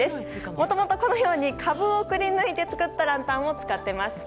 もともと、このようにカブをくりぬいて作ったランタンを使っていました。